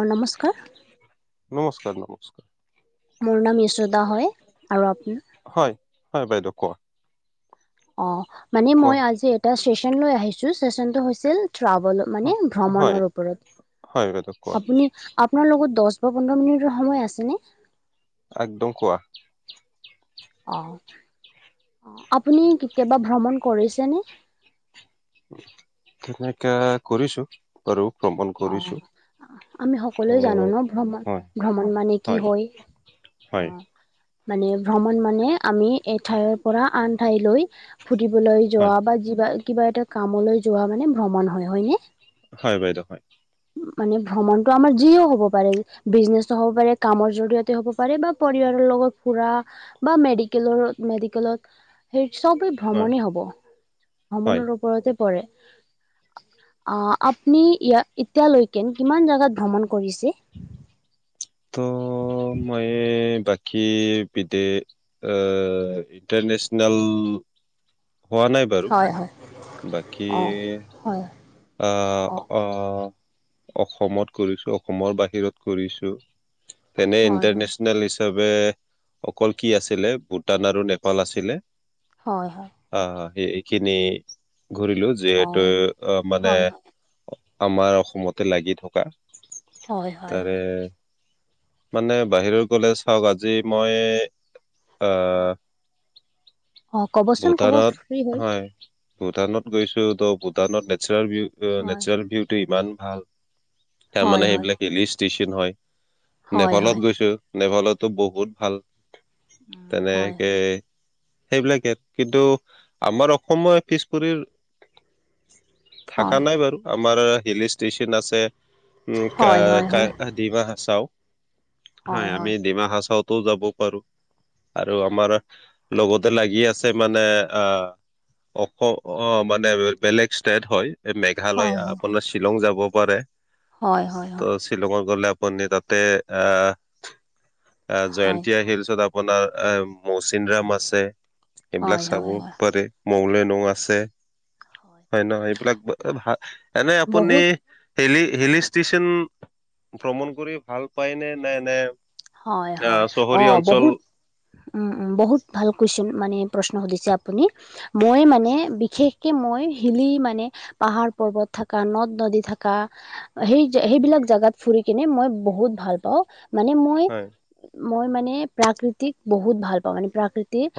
অ' নমস্কাৰ। নমস্কাৰ নমস্কাৰ। মোৰ নাম ইচুতা হয় আৰু আপ হয় হয় বাইদেউ কোৱা। অ' মানে কোৱা মই আজি এটা ষ্টেচন লৈ আহিছোঁ ষ্টেচনটো হৈছিল ট্ৰভেলত মানে হ- হয় ভ্ৰমণৰ ওপৰত হয় বাইদেউ কোৱা আপ আপোনাৰ লগত দহ বা পোন্ধৰ মিনিটৰ সময় আছেনে? এক একদম কোৱা। অ' আপুনি কেতিয়াবা ভ্ৰমণ কৰিছেনে? তেনেকাে কৰিছো। বাৰু ভ্ৰমণ অ' কৰিছো আমি ত' সকলোৱে জানো ন ভ্ৰমণ হয় ভ্ৰমণ মানে কি হয়। হয় অ' মানে ভ্ৰমণ মানে আমি এঠাইৰ পৰা আন ঠাইলৈ ফুধিবলৈ হয় যোৱা বা যিবা কিবা এটা কামলৈ যোৱা মানে ভ্ৰমণ হয় হয়নে। হয় বাইদেউ হয়। মানে ভ্ৰমণতটো আমাৰ যিও হ'ব পাৰে বিজনেছো হ'ব পাৰে কামৰ জৰিয়তে হ'ব পাৰে বা পৰিবাৰৰ লগত ফুৰা বা মেডিকেল মেডিকেলত সেই চবেই হয় ভ্ৰমণেই হব হয় ভ্ৰমণৰ ওপৰতে আপ এতিয়ালৈকেন কিমান জোগাত ভ্ৰমণ কৰিছে? ত মইে বাকী বিদে ইণ্টাৰনেচনেল হোৱা নাই বাৰু হয় হয়। বাকী অঁ হয় অ আহ আহ অসমত কৰিছো, অসমৰ বাহিৰত কৰিছো। তেনে হয় হয় ইণ্টাৰনেচনেল [unintelligible] অকল কি আছিলে, ভূটান আৰু নেপাল আছিলে। হয়, হয়। অ', এইখিনি ঘূৰিলো, অ যিহেতু আহ মানে হয় হয় আমাৰ অসমতে লাগি থকা, হয় হয় হয় তাৰে মানে বাহিৰত গ'লে চাওক, আজি মই আহ হয়, অ', ক'বচোন ক'ব, ফ্ৰী হয়। ভূটানত গৈছো ত' ভূটানত হয় নেচাৰেল-নেচাৰেল ভীউটো ইমান ভাল। তাৰ হয় মানে হয় সেইবিলাক হিলি ষ্টেচন হয়, হয় হয় নেপালত গৈছো। নেপালতো বহুত ভাল, হয় হয় তেনেকে সেইবিলাকে কিন্তু, আমাৰ অসমো পিছপৰিৰ থাকা হয় নাই বাৰু। আমাৰ হিলষ্টেচন আছে, উম হয় হয় হয় কা ডিমা হাচাও। হয় [unintelligible] হয় আমি ডিমা হাচাও ত' যাব পাৰো, আৰু আমাৰ লগতে লাগি আছে। মানে অ', অস-অ মানে বেলেগ ষ্টেট হয়। এই মেঘালয়া, হয় আপোনাৰ শ্বিলং যাব পাৰে। হয়, হয়, হয়। শিলঙত গ'লে আপুনি, তাতে আহ হয়, জয়ন্ত হিলছত আ আপোনাৰ এ মৌচিন ৰাম আছে। এইবিলাক হয়, চাব হয়, হয়, পাৰে, [unintelligible] আছে। হয়, নহয় এইবিলাক ভা এনেই আপুনি বহুত হিলি-হিলি ষ্টেচন ভ্ৰমণ কৰি ভাল পায় নে, নে হয়, আহ হয়, চহৰীয়া অ' অঞ্চল বহুত উম, উম, বহুত ভাল কুৱেশচন মানে প্ৰশ্ন সুধিছে আপুনি। মই মানে বিশেষকে, মই হিলি মানে পাহাৰ-পৰ্বত থকা, নদ-নদী থকা সেই-সেইবিলাক জাগাত ফুৰি কিনে মই বহুত ভাল পাওঁ, মানে মই হয়। মই মানে প্ৰাকৃতিক বহুত ভাল পাওঁ, মানে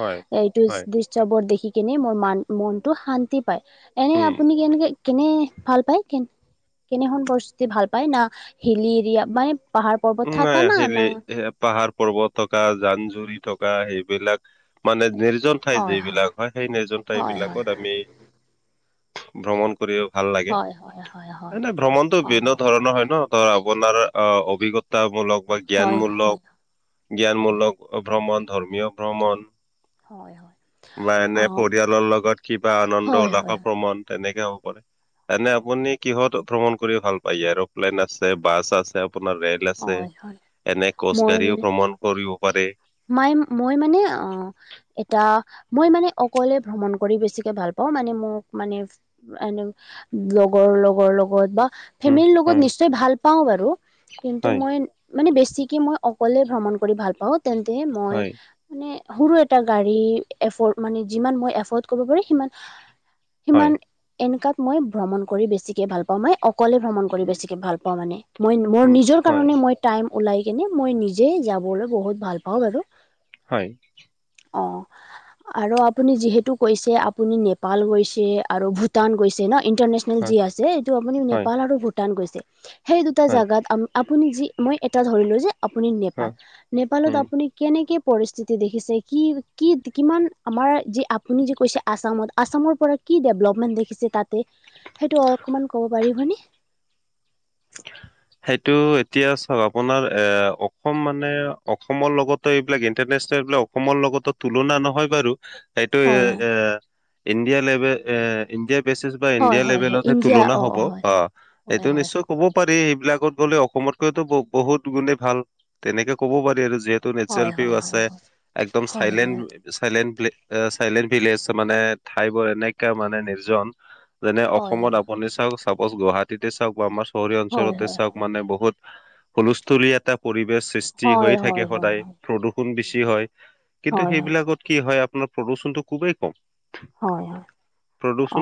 হয় হয় এইটো [unintelligible] দেখি কিনে মোৰ মান মনটো শান্তি পায়, এনে উম আপুনি কেনেকে কেনে ভাল পায়, কেনে-কেনেখন পৰিস্থিতি ভাল পায়, না হিলি এৰিয়া মানে পাহাৰ-পৰ্বত নাই থাকা না, হিলি ন পাহাৰ পৰ্বত থকা, জান-জুৰি থকা সেইবিলাক মানে নিজন ঠাই যে এইবিলাক হয়, সেই [unintelligible] ঠাই হয় বিলাকত আমি ভ্ৰমণ কৰিব ভাল লাগে, হয় হয় হয় হয় এ হয় না ভ্ৰমণটো অ বিভিন্ন ধৰণৰ হয় নহ। আপোনাৰ অ' অভিজ্ঞতামূলক বা হয় হয় জ্ঞানমূলক হয় হয় জ্ঞানমূলক ভ্ৰমণ, ধৰ্মীয় ভ্ৰমণ হয় হয় [unintelligible] এনে অ পৰিয়ালৰ লগত কিবা আনন্দ হয় হয় উল্লাহৰ ভ্ৰমণ। তেনেকে হ'ব পাৰে, এনে হয় আপুনি কিহত ভ্ৰমণ কৰি ভাল পায়, এৰ'প্লেইন আছে, বাছ আছে আপোনাৰ ৰেল আছে। হয় হয় এনে খোজ কাঢ়িও ভ্ৰমণ কৰিব পাৰে। মাই-মই মানে অ এটা মই মানে অকলে ভ্ৰমণ কৰি বেছিকে ভাল পাওঁ, মানে মোক মানে এনে লগৰ-লগৰ লগত বা উম, ফেমিলিৰ লগত হয়, নিশ্চয় ভাল পাওঁ বাৰু, কিন্তু হয়, মই মানে বেছিকে মই অকলে ভ্ৰমণ কৰি ভাল পাওঁ। তেন্তে মই হয়, মানে সৰু এটা গাড়ী, এফৰ্ড মানে যিমান মই এফৰ্ড কৰিব পাৰি সিমান হয়, সিমান এনকুৱাত, মই ভ্ৰমণ কৰি বেছিকে ভাল পাওঁ মই। অকলে ভ্ৰমণ কৰি বেছিকে ভাল পাওঁ মানে। মই মোৰ উম, নিজৰ হয়, কাৰণে মই। টাইম ওলাই কিনে, মই নিজে যাবলৈ বহুত ভাল পাওঁ বাৰু। হয়। অ', আৰু আপুনি যিহেতু কৈছে, আপুনি নেপাল গৈছে আৰু ভূটান গৈছে ন ইণ্টাৰনেচনেল। হয়, যি আছে এইটো আপুনি হয়, নেপাল আৰু ভূটান গৈছে। সেই দুটা হয়, জেগাত আৰু - আপুনি যি মই এটা ধৰিলোঁ যে আপুনি নেপাল, হয়, নেপালত উম। আপুনি কেনেকে পৰিস্থিতি দেখিছে, কি কি কিমান আমাৰ যি আপুনি যে কৈছে। আসামত, আসামৰ পৰা কি ডেভলপমেণ্ট দেখিছে। তাতে সেইটো অকণমান ক'ব পাৰিবনে। [unintelligible] সেইটো এতিয়া চাওক, আপোনাৰ এ অসম মানে অসমৰ লগতো এইবিলাক ইন্টাৰনেচনেল এইবিলাক। অসমৰ লগতো তুলনা নহয় বাৰু সেইটো এ হয় হয় ইণ্ডিয়া লেভেল এ। ইণ্ডিয়া বেচিছ বা হয় ইণ্ডিয়া হয় হয় লেভেলতহে ইণ্ডিয়া তুলনা অঁ হ'ব হয় অ', হয় এইটো হয় নিশ্চয়। ক'ব পাৰি, সেইবিলাকত গ'লে অসমতকৈতো ব বহুত গুণেই ভাল তেনেকে ক'ব পাৰি আৰু যিহেতু টো নেচাৰেল হয় পিউ হয় আছে। হয় একদম হয় হয় হয় চাইলেণ্ট, চাইলেণ্ট, চাইলেণ্ট ভিলেজ মানে ঠাই বোৰ এনেকুৱা মানে নিৰ্জন। যেনে হয় হয় অসমত আপুনি চাওক, চাপজ গুৱাহাটীতে চাওক বা আমাৰ চহৰীয়া হয় হয় অঞ্চলতে হয় চাওক হয় হয় মানে বহুত হুলস্থলীয়া এটা পৰিৱেশ সৃষ্টি হৈ হয় থাকে হয় হয় সদায়। হয় প্ৰদূষণ বৰষুণ বেছি হয়। কিন্তু হয় হয় সেইবিলাকত কি হয় আপোনাৰ, প্ৰদূষণটো খুবেই কম। হয় হয়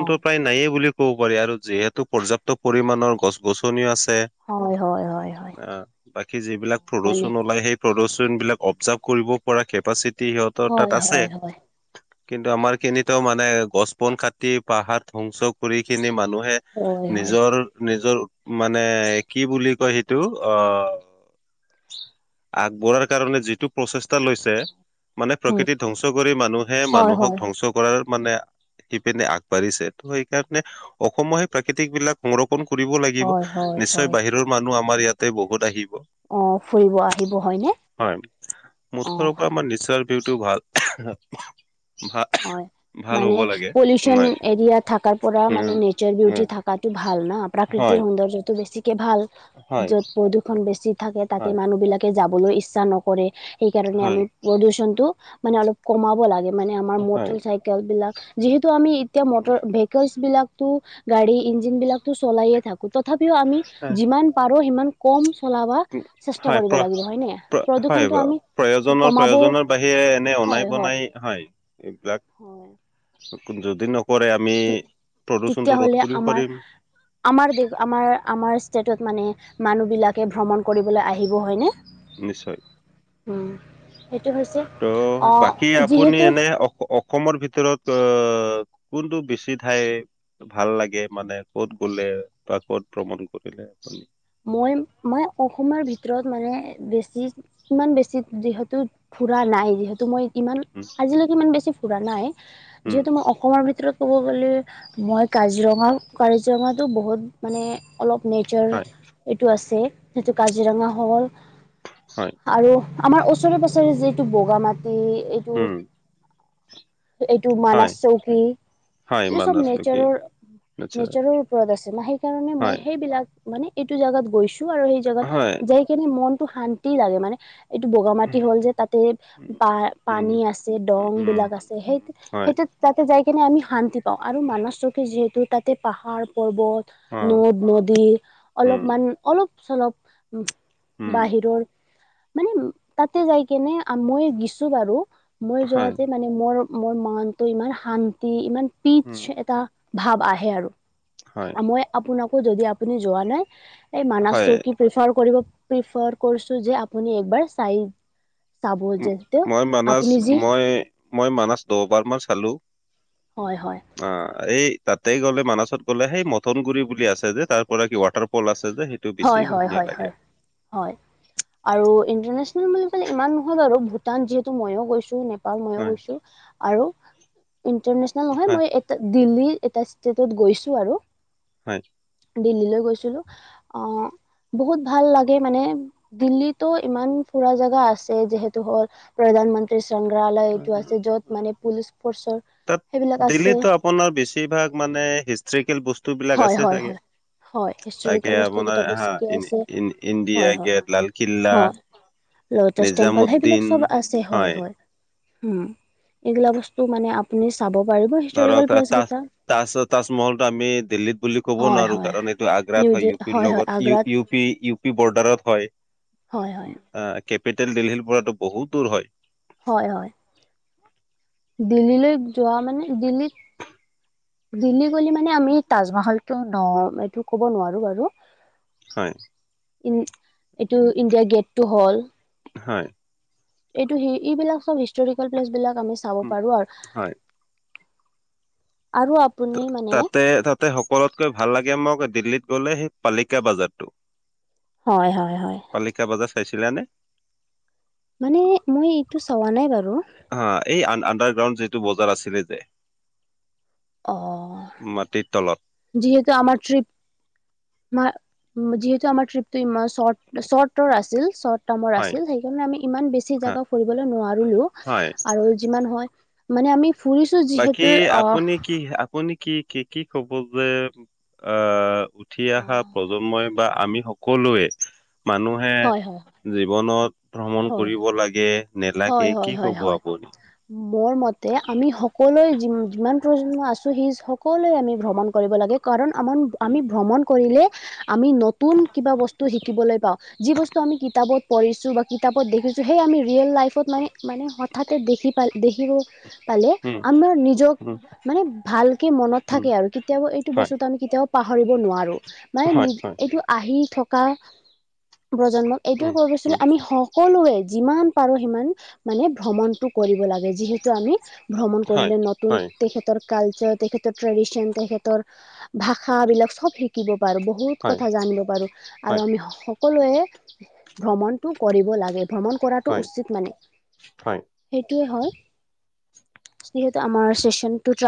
অ প্ৰায় নায়ে বুলি ক ক'ব পাৰি আৰু যিহেতু পৰ্যাপ্ত পৰিমাণৰ গছ-গছনিও আছে। হয় হয় হয় হয় অ', বাকী অ যিবিলাক মানে প্ৰদূষণ ওলাই, সেই প্ৰদূষন বিলাক অবজাৰ্ভ কৰিব পৰা কেপাচিটি সিহঁতৰ তাত হয় আছে। হয় হয় কিন্তু আমাৰ খিনিতো মানে গছ-বন কাটি, পাহাৰ ধ্বংস কৰি কিনি মানুহে। হয় হয় নিজৰ, নিজৰ মানে কি বুলি কয় সেইটো অ', আগবঢ়াৰ কাৰণে যিটো প্ৰচেষ্টা লৈছে। মানে উম প্ৰকৃতি ধ্বংস কৰি মানুহে হয় হয় মানুহক ধ্বংস কৰাৰ মানে। কৰি পিনে আগবাঢ়িছে। ত সেইকাৰণে অসমৰ সেই প্ৰাকৃতিক বিলাক সংৰক্ষণ কৰিব লাগে। লাগিব। হয় হয় নিশ্চয়, হয় বাহিৰৰ মানুহ আমাৰ ইয়াতে বহুত আহিব। অ ফুৰিব আহিব হয়নে হয়, অ মুঠৰ ওপৰত আমাৰ নিজৰ। সটো ভাল। ভাল হয়। ভাল হ'ব মানে লাগে। পলিউচন নাই এৰিয়া থকাৰ পৰা উম মানে নেচাৰ বিউটি উম থকাটো ভাল ন। প্ৰাকৃতিৰ হয়। সৌন্দৰ্যটো বেছি ভাল, হয় য'ত প্ৰদূষণ বেছি থাকে। তাতে হয় মানুহ বিলাকে যাবলৈ ইচ্ছা নকৰে। সেইকাৰণে হয় আমি প্ৰদূষণ টো মানে অলপ কমাব লাগে, মানে আমাৰ হয় মটৰ চাই চাইকেল বিলাক। যিহেতু আমি এতিয়া ম ভ বিলাকটো গাড়ী ইঞ্জিন বিলাকটো চলায়ে থাকো। তথাপিও আমি যিমান পাৰো সিমান কম চলাব চেষ্টা হয় কৰিব প্ৰ লাগিব হয় নে। হয় প্ৰদূষণটো আমি প্ৰয়োজনৰ কমাব প্ৰয়োজনৰ বাহিৰে এনে অনাই বনাই হয়, এইবিলাক। [unintelligible] যদি নকৰে, আমি প্ৰদূষণটো তেতিয়াহ'লে ৰোধ কৰিব আমাৰ পাৰিম। আমাৰ দেশ আমাৰ, আমাৰ ষ্টেটত মানে মানুহ বিলাকে ভ্ৰমণ কৰিবলৈ আহিব হয়নে। নিশ্চয়। উম্, সেইটো হৈছে। ত' অ', বাকী আপুনি যিহেতু এনে অসমৰ ভিতৰত আহ্ কোনটো বেছি ঠাই। ভাল লাগে মানে, ক'ত গ'লে বা ক'ত ভ্ৰমণ কৰিলে। মই, মই অসমৰ ভিতৰত মানে বেছি ইমান বেছি যিহেতো ঘুৰা নাই, যিহেতু মই ইমান উম। আজিলৈকে ইমান বেছি ঘুৰা নাই উম, যিহেতু মই অসমৰ ভিতৰত ক'ব গ'লে মই কাজিৰঙা কাজিৰঙাটো বহুত মানে অলপ নেচাৰ হয় এইটো আছে যিটো কাজিৰঙা হ'ল হয়। আৰু আমাৰ ওচৰে পাজৰে যে এইটো বগা মাটি এইটো উম এইটো মানছ হয় চৌকী হয় এইটো চব মানাছ নেকি নেচাৰৰ আচ্ছা নেচাৰৰ ওপৰত আছে সেইকাৰণে মই হয় সেইবিলাক মানে এইটো জাগাত গৈছো আৰু সেই জাগাত হয় যাই কিনে মনটো শান্তি লাগে মানে এইটো বগা মাটি হ'ল যে তাতে পা পানী আছে দং বিলাক আছে সেই সেইটোত তাতে যাই কিনে আমি শান্তি পাওঁ আৰু মানছ চকে যিহেতু তাতে পাহাৰ পৰ্বত নদ নদী অলপমান অলপ চলপ বাহিৰৰ মানে তাতে যাই কেনে মই গিছো বাৰু মই যোৱাতে মানে মোৰ মোৰ মনতটো ইমান শান্তি ইমান পিচ এটা ভাৱ আহে আৰু। হয়। হয় আপোনাকো যদি আপুনি যোৱা নাই এই মানাচ হয়। চৌকি যে আপুনিবাৰ মই মানছ যি মই মই মানছ দহবাৰ মান চালো। হয়, হয়। অ' এই তাতেই গ'লে মানছত গ'লে সেই মথনগুৰি বুলি আছে যে তাৰ পৰা কি ৱাটাৰ পল আছে যে বেছি হয়, হয়, ধুনীয়া হয়, লাগে। হয়। হয়, আৰু ইন্টাৰনেচনেল বুলি কলে ইমান নহয় বাৰু ভূটান যিহেতু মইো গৈছো। মইও হয়, গৈছো আৰু ইন্টাৰনেচনেল নহয় হয়, মই এ দিল্লী এটা ষ্টেটত গৈছো আৰু হয়। দিল্লীৈ গৈছিলো আহ বহুত ভাল লাগে মানে দিল্লীতো ইমান ফুৰা জেগা আছে যিহেতু হ'ল। প্ৰধানমন্ত্ৰ্ৰী সংগ্ৰহাহালয় এইটো উম, আছে য'ত মানে পুলিচ ফৰ্চৰ সেইবিলাক আছে। পনৰ বেছিভাগ মানে হিষ্টৰিকেল বস্তু বিলাক আছে চাগে। তাকে হয়িষ্টৰিেল বস্তু আপোনাৰ ক হা বেছিকে ইন আছে ইন ইণ্ডিয়া হয়, হয়, গেট, লাল কিল্লা, হয়। ল'টাচ টেম্পল সেইবিলাক নিজামুদ্দিন চব আছে হয়, হয়। উম, এইগিলা বস্তু মানে আপুনি চাব পাৰিব ধৰক হিষ্টৰিকেল আ, প্লেচ তাজ গেইটা। তাজ তাজমহলতটো আমি দিল্লিত বুলি ক'ব হয় নোৱাৰো হয় কাৰণ এইটো আগ্ৰাত নিউ হয় ইউ পিৰ হয় লগত আগ্ৰাত ই ইউ পি ইউ পি বৰ্ডাৰত হয়। হয় হয় অ' কেপিটেল দিল্লীৰ পৰাতো বহুত দূৰ হয়। হয়, হয়। দিল্লীলৈ যোৱা মানে দিল্লীত দিল্লী গ'লে মানে আমি তাজমহলতটো ন এইটো ক'ব নোৱাৰো বাৰু। হয়, ই এইটো ইণ্ডিয়া গেটটো হ'ল হয়। এইটো স এইবিলাক চব হিষ্টৰিকেল প্লেচ বিলাক আমি চাব উম, পাৰো আৰু হয় আৰু আপুনি ত- ম তাতে তাতে সকলোতকৈ ভাল লাগে মোক দিল্লীত গ'লে সেই পালিকা বাজাৰটো। হয়, হয়, হয়। পালিকা বজাৰ চাইছিলা নে? মানে মই এইটো চোৱা নাই বাৰু। হা এই আডাৰ গ্ৰাউণ্ড যিটো বজাৰ আছিলে যে। অ', মাটিৰ তলত। যিহেতু আাৰ ট্ৰিপ যিহেতু আমাৰ ট্ৰিপটো ইমান চৰ্টৰ আছিল। হয় আছিল সেইকাৰণে আমি ইমান বেছি হা, জাগা ফুৰিবলৈ নোৱাৰো হয় আৰু যিমান হয় মানে আমি ফুৰিছো বাকী যিহেতু অ' আপুনি কি আপুনি কি কি কি ক'ব যে আহ উঠি অহা প্ৰজন্মই বা আমি সকলোৱে মানুহে হয় হয় জীৱনত ভ্ৰমণ হয় কৰিব লাগে ন লাগে হয় হয় কি হয় হয় ক'ব হয় আপুনি? মোৰ মতে আমি সকলোৱে যি যিমান প্ৰজন্ম আছো সি সকলোৱে আমি ভ্ৰমণ কৰিব লাগে। কাৰণ আমাৰ উম আমি ভ্ৰমণ কৰিলে আমি নতুন কিবা বস্তু শিকিবলৈ পাওঁ যি বস্তু আমি কিতাপত পঢ়িছো বা কিতাপত দেখিছোঁ সেই আমি ৰিয়েল লাইফত মানে মানে হঠাতে দেখি প দেখিব পালে উম আমাৰ নিজক উম মানে ভালকে মনত উম থাকে আৰু কেতিয়াবা এইটো হয় বস্তুতটো আমি কেতিয়াও পাহৰিব নোৱাৰো মানে নি হয় হয় এইটো আহি থকা প্ৰজন্মক এইটোৱে উম কৈ গৈছিল উম আমি সকলোৱে যিমান পাৰো মানে ভ্ৰমণটো কৰিব লাগে যিহেতু আমি ভ্ৰমণ হয় কৰিলে নতুন হয় তে কালচাৰ তেখেতৰ ট্ৰেডিচন তেখেতৰ ভাষাবিলাক চব শিকিব পাৰো। বহুত হয় কথা জানিব পাৰো। হয় আৰু আমি সকলোৱে ভ্ৰমণতটো কৰিব লাগে ভ্ৰমণ কৰাটো হয় উচিত হয় সেইটোৱে হয়। যিহেতু আমাৰ